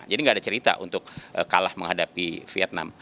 jadi gak ada cerita untuk kalah menghadapi vietnam